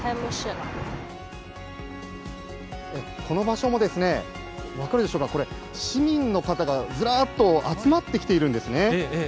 この場所もですね、分かるでしょうか、これ、市民の方がずらっと集まってきているんですね。